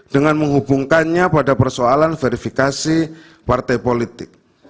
dengan menghubungkannya pada persoalan verifikasi partai politik